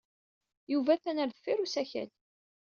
Yuba atan ɣer deffir n usakal.